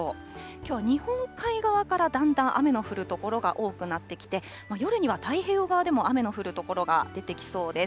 きょうは日本海側からだんだん雨の降る所が多くなってきて、夜には太平洋側でも雨の降る所が出てきそうです。